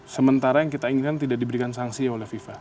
sementara yang kita inginkan tidak diberikan sanksi oleh fifa